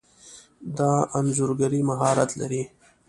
د انځورګری مهارت لرئ؟